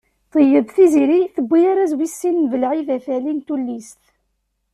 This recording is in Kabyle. Ṭeyyeb Tiziri tewwi arraz wis sin n Belɛid At Ɛli n tullist.